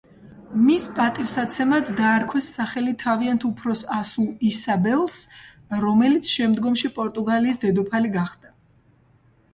მის პატივსაცემად დაარქვეს სახელი თავიანთ უფროს ასულ ისაბელს, რომელიც შემდგომში პორტუგალიის დედოფალი გახდა.